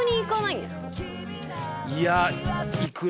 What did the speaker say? いや。